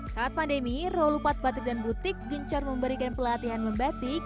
saat pandemi rolupat batik dan butik gencar memberikan pelatihan membatik